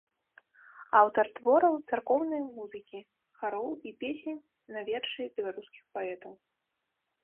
Аўтар твораў царкоўнай музыкі, хароў і песень на вершы беларускіх паэтаў.